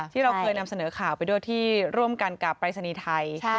ที่เราเคยนำเสนอข่าวไปด้วยที่ร่วมกันกับปรายศนีย์ไทย